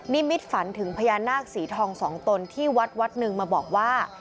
มิตฝันถึงพญานาคสีทองสองตนที่วัดวัดหนึ่งมาบอกว่า